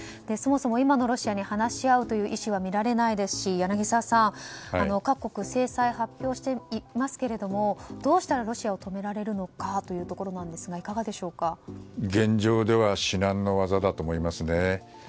そもそも今のロシアに話し合うという意思は見られないですし柳澤さん、各国制裁発表していますけれどもどうしたらロシアを止められるのかなんですが現状では至難の業だと思いますね。